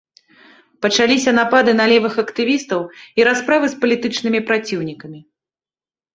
Пачаліся напады на левых актывістаў і расправы з палітычнымі праціўнікамі.